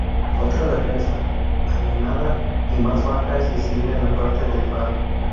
Otra defensa, almenada y más baja, es visible en la parte del faro.